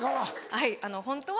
はいホントは。